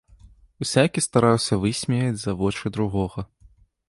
Усякі стараўся высмеяць за вочы другога.